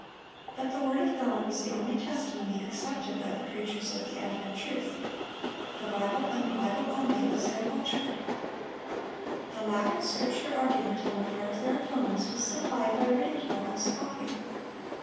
But the word of God was the only testimony accepted by the preachers of the advent truth. "The Bible, and the Bible only," was their watchword. The lack of Scripture argument on the part of their opponents was supplied by ridicule and scoffing.